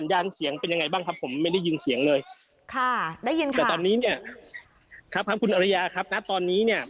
แต่ตอนนี้เนี่ยครับครับคุณอริยาครับนะตอนนี้เนี่ย